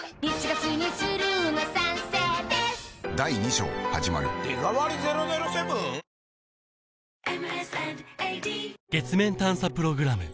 月面探査プログラム